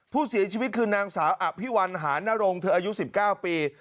ผู้เสียชีวิตคือนางสาวอภิวัลหานรงเธออายุ๑๙ปี